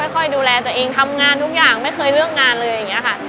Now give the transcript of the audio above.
คอยดูแลตัวเองทำงานทุกอย่างไม่เคยเรื่องงานเลยอย่างนี้ค่ะ